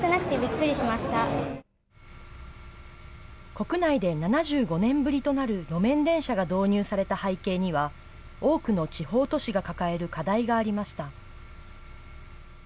国内で７５年ぶりとなる路面電車が導入された背景には、多くの地方都市が抱える課題がありました。